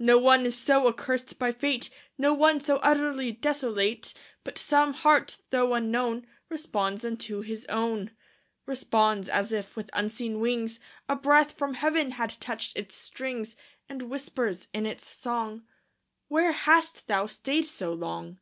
No one is so accursed by fate, No one so utterly desolate, But some heart, though unknown, Responds unto his own. Responds, as if with unseen wings, An angel touched its quivering strings; And whispers, in its song, "'Where hast thou stayed so long?"